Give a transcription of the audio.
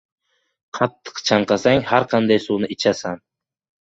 • Qattiq chanqasang har qanday suvni ichasan.